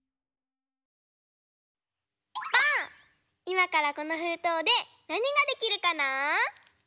いまからこのふうとうでなにができるかな？